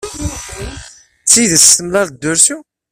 D tidet temlaleḍ-d ursu?